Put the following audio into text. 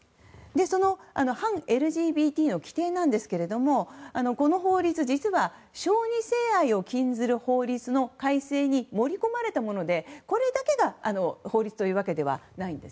その反ＬＧＢＴの規定ですがこの法律実は小児性愛を禁ずる法律の改正に盛り込まれたものでこれだけが法律というわけではないんです。